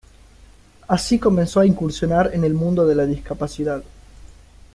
Así comenzó a incursionar en el mundo de la discapacidad.